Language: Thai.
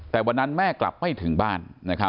แต่วันนั้นแม่กลับไม่ถึงบ้าน